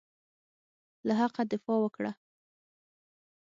له حقه دفاع وکړه.